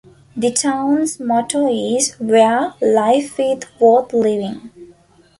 The town's motto is Where Life Is Worth Living.